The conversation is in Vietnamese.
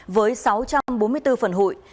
với sáu trăm bốn mươi bốn phần hụi